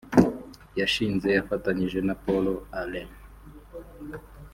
yashinze afatanyije na Paul Allen